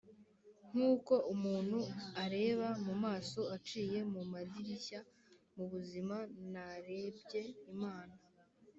nkuko umuntu areba mumaso aciye mumadirishya, mubuzima narebye imana,